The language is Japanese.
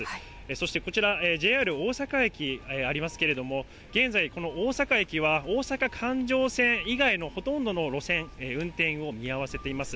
そしてこちら、ＪＲ大阪駅ありますけれども、現在、この大阪駅は大阪環状線以外のほとんどの路線、運転を見合わせています。